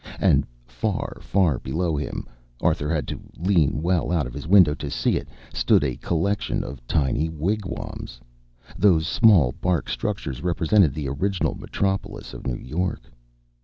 And far, far below him Arthur had to lean well out of his window to see it stood a collection of tiny wigwams. Those small bark structures represented the original metropolis of New York.